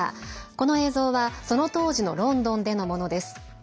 この映像は、その当時のロンドンでのものです。